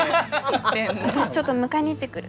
私ちょっと迎えに行ってくる。